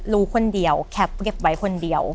รู้คนเดียวแคปเก็บไว้คนเดียว